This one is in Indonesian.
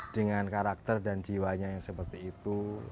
dengan karakter dan jiwanya yang seperti itu